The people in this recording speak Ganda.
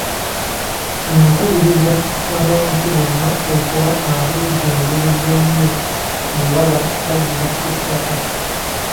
Nkubiriza abantu bonna okuba abeegendereza ennyo bwe baba bagula ettaka.